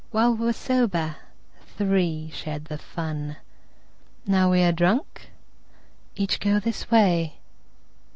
While we were sober, three shared the fun; Now we are drunk, each goes his way.